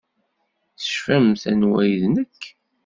Tecfamt anwa ay d nekk?